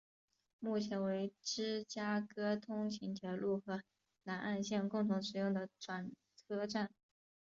目前为芝加哥通勤铁路和南岸线共同使用的转车站。